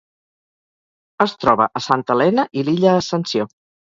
Es troba a Santa Helena i l'Illa Ascensió.